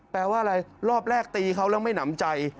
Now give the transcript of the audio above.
แปลว่าอะไรรอบแรกตีเขาแล้วไม่หนำใจ